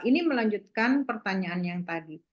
ini melanjutkan pertanyaan yang tadi